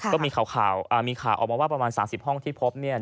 ก็มีข่าวออกมาว่าประมาณ๓๐ห้องที่พบเนี่ย